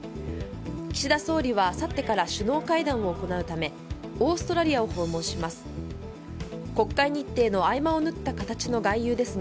岸田総理はあさってから首脳会談を行うためオーストラリアを訪問します。